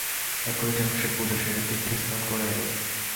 এখনই যেন সে পূজা সেরে তীর্থস্নান করে এল।